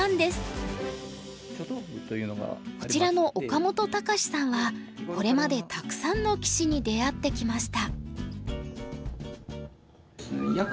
こちらの岡本隆志さんはこれまでたくさんの棋士に出会ってきました。